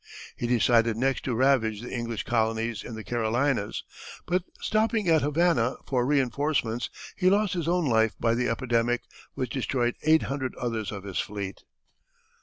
He decided next to ravage the English colonies in the Carolinas, but stopping at Havana for reinforcements he lost his own life by the epidemic which destroyed eight hundred others of his fleet.